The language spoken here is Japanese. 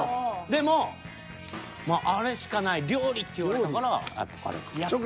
でもあれしかない料理って言われたからやっぱカレーかと。